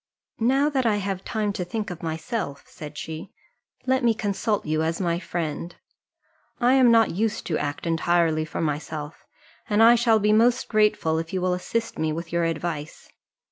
"Now that I have time to think of myself," said she, "let me consult you as my friend: I am not used to act entirely for myself, and I shall be most grateful if you will assist me with your advice.